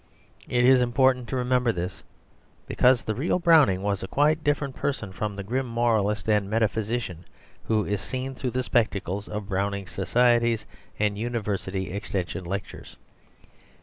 It is important to remember this, because the real Browning was a quite different person from the grim moralist and metaphysician who is seen through the spectacles of Browning Societies and University Extension Lecturers.